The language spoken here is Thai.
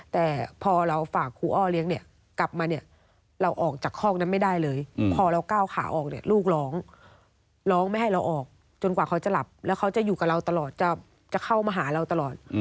แต่พอเราฝากครูอ้อเลี้ยงเนี่ยกลับมาเนี่ยเราออกจากคอกนั้นไม่ได้เลยพอเราก้าวขาออกเนี่ยลูกร้องร้องไม่ให้เราออกจนกว่าเขาจะหลับแล้วเขาจะอยู่กับเราตลอดจะเข้ามาหาเราตลอด